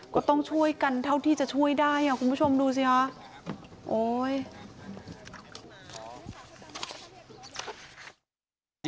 ก็ต้องช่วยกันเท่าที่จะช่วยได้คุณผู้ชมดูสิคะ